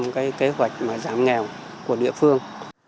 cái kế hoạch mà giảm nghèo của địa phương